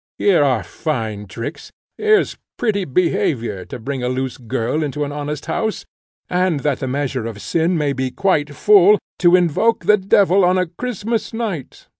Here are fine tricks! here's pretty behaviour! to bring a loose girl into an honest house; and, that the measure of sin may be quite full, to invoke the devil on a Christmas night!